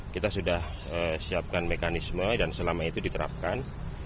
kita sudah siapkan mekanisme dan selama itu diterapkan